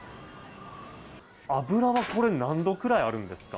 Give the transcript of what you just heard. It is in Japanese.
油は何度くらいあるんですか？